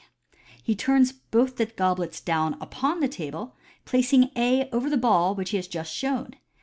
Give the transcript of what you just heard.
He turns both the goblets down upon the table, placing A. over the ball which he has just shown.